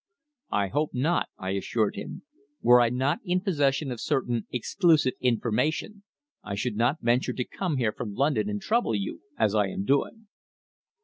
"I hope not," I assured him. "Were I not in possession of certain exclusive information I should not venture to come here from London and trouble you, as I am doing."